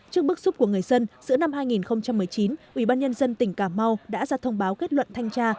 trước bức xúc của người dân giữa năm hai nghìn một mươi chín ubnd tỉnh cà mau đã ra thông báo kết luận thanh tra